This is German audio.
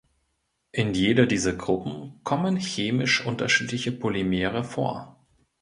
In jeder dieser Gruppen kommen chemisch unterschiedliche Polymere vor.